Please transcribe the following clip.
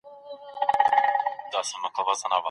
که ميرمني ګډ ژوند نه غوښت کوم حق لري؟